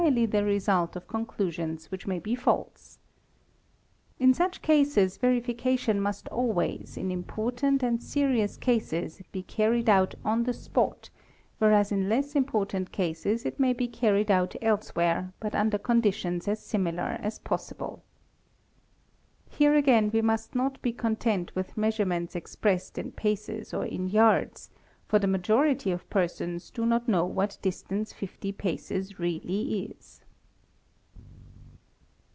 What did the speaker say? y the result of conclusions which may be false. In such cases 272 THE EXPERT verification must always in important and serious cases be carried out — on the spot whereas in less important cases it may be carried out elsewhere but under conditions as similar as possible. | Here again we must not be content with measurements expressed in paces or in yards, for the majority of persons do not know what distance 50 paces really is.